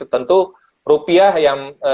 tentu rupiah yang